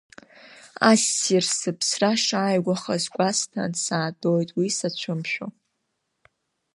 Ассир, сыԥсра шааигәахаз гәасҭан, саатәоит уи сацәымшәао.